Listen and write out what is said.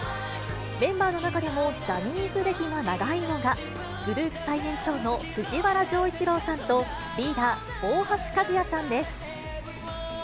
メンバーの中でもジャニーズ歴が長いのが、グループ最年長の藤原丈一郎さんと、リーダー、大橋和也さんです。